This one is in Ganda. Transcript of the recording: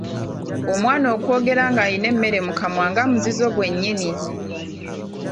Omwana okwogera ng’alina emmere mu kamwa nga muzizo gwe nnyini.